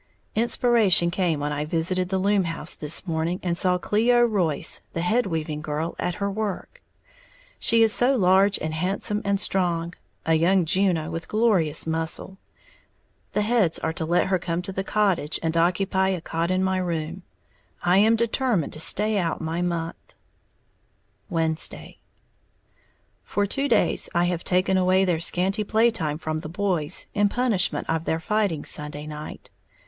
_ Inspiration came when I visited the loom house this morning, and saw Cleo Royce, the head weaving girl, at her work. She is so large and handsome and strong, a young Juno, with glorious muscle. The heads are to let her come to the cottage and occupy a cot in my room, I am determined to stay out my month. Wednesday. For two days I have taken away their scanty playtime from the boys in punishment of their fighting Sunday night.